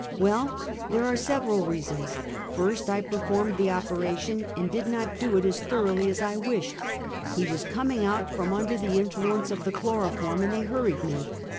" Well, there are several reasons. First, I performed the operation, and did not do it as thoroughly as I wished. He was coming out from under the influence of the chloroform, and they hurried me.